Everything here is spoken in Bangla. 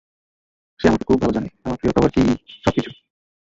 সে আমাকে খুব ভাল জানে, আমার প্রিয় খাবার কী, সবকিছু।